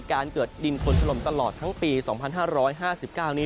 การเกิดดินคนถล่มตลอดทั้งปี๒๕๕๙นี้